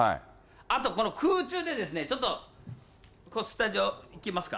あと、この空中で、ちょっと、スタジオきますか？